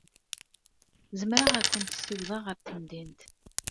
Zemreɣ ad kent-ssiwḍeɣ ɣer temdint.